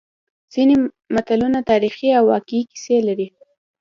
ځینې متلونه تاریخي او واقعي کیسې لري